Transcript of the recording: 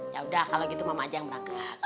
yaudah kalau gitu mama aja yang berangkat